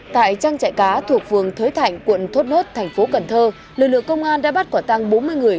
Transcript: tại trang chạy cá thuộc vườn thới thạnh quận thốt nốt tp hcm lực lượng công an đã bắt quả tàng bốn mươi người